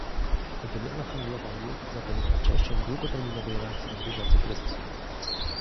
Wymiana handlowa jest zatem częścią długoterminowej reakcji na bieżący kryzys